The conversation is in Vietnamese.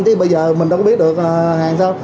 chứ bây giờ mình đâu có biết được hàng sao